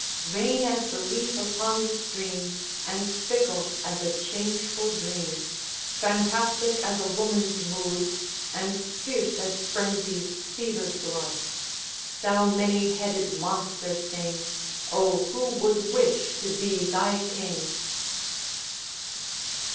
Vain as the leaf upon the stream, And fickle as a changeful dream; Fantastic as a woman's mood, And fierce as Frenzy's fevered blood. Thou many headed monster thing, O who would wish to be thy king?